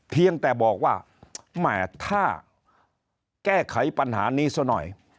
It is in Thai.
เพียงแต่บอกว่าแหมถ้าแก้ไขปัญหานี้ซะหน่อย